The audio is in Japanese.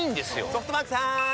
ソフトバンクさーん！